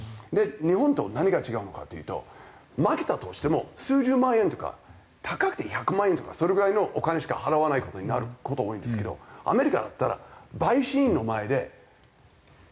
日本と何が違うのかというと負けたとしても数十万円とか高くて１００万円とかそれぐらいのお金しか払わない事になる事多いんですけどアメリカだったら陪審員の前で訴えるんですよ。